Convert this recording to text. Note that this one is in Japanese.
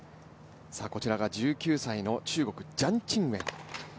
こちらが１９歳の中国、ジャン・チンウェン。